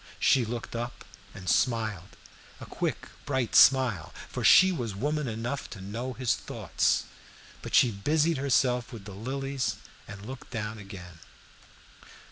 She looked up and smiled, a quick bright smile, for she was woman enough to know his thoughts. But she busied herself with the lilies and looked down again.